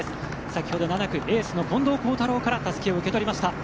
先ほど、７区エースの近藤幸太郎からたすきを受け取りました。